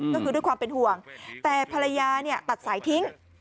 ก็คือด้วยความเป็นห่วงแต่ภรรยาตัดสายทิ้ง